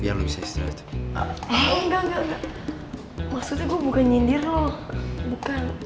bukan musti buat dia